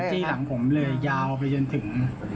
ที่หลังผมเลยยาวไปจนถึง